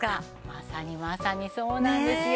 まさにまさにそうなんですよ。